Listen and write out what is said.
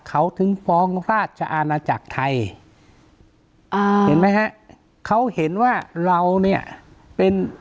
เขาถึงฟ้องราชอาณาจักรไทยอ่าเห็นไหมฮะเขาเห็นว่าเราเนี่ยเป็น